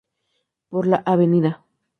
Por la Av.